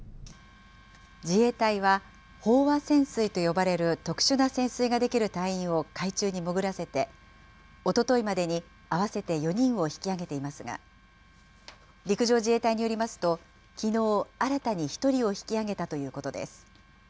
自衛隊は、飽和潜水と呼ばれる特殊な潜水ができる隊員を海中に潜らせて、おとといまでに合わせて４人を引きあげていますが、陸上自衛隊によりますと、きのう新たに１人を引きあげたということです。